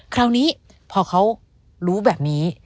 คราวนี้พอเขารู้แบบนี้